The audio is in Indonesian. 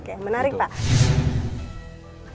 oke menarik pak